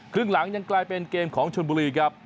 ครึ่งหลังยังกลายเป็นเกมของชนบุรีครับ